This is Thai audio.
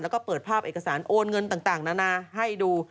แล้วก็เปิดภาพเอกสารโอนเงินต่างนานาให้ดู